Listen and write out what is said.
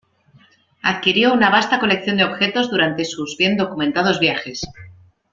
Adquirió una vasta colección de objetos durante sus bien documentados viajes.